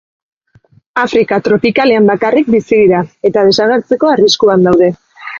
Afrika tropikalean bakarrik bizi dira, eta desagertzeko arriskuan daude.